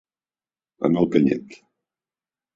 Anar al canyet.